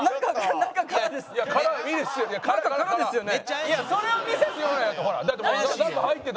いやそれを見せて。